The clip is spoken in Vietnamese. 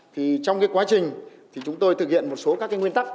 thì trong cái quá trình thì chúng tôi thực hiện một số các cái nguyên tắc